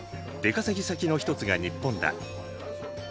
出稼ぎ先の一つが日本だ。